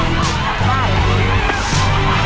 ระวังมือด้วย